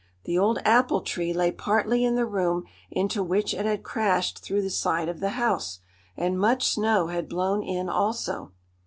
The old apple tree lay partly in the room into which it had crashed through the side of the house. And much snow had blown in also.